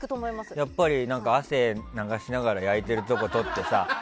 やっぱり、汗を流しながら焼いているところを撮ってさ。